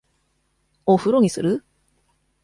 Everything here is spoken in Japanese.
お風呂にする？